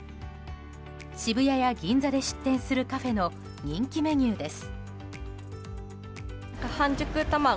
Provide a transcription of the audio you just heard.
渋谷や銀座で出店するカフェの人気メニューです。